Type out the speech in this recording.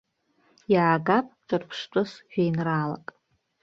Иаагап ҿырԥштәыс жәеинраалак.